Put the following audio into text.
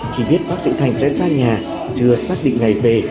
khi biết bác sĩ thành sẽ ra nhà chưa xác định ngày về